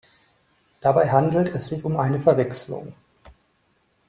Dabei handelt es sich um eine Verwechslung.